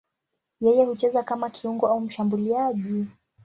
Yeye hucheza kama kiungo au mshambuliaji.